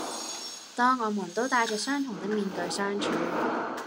當我們都帶着相同的面具相處